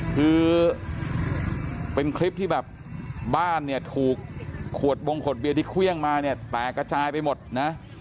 คือเป็นคลิปที่แบบบ้านเนี่ยถูกขวดบงขวดเบียร์ที่เครื่องมาเนี่ยแตกกระจายไปหมดนะ